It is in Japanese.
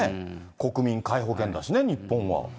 国民皆保険だしね、日本は。